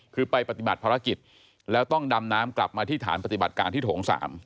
คือไปปฏิบัติภารกิจแล้วต้องดำน้ำกลับมาที่ฐานปฏิบัติการที่โถง๓